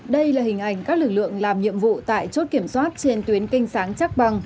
đây là hình ảnh các lực lượng làm nhiệm vụ tại chốt kiểm soát trên tuyến canh sáng chắc bằng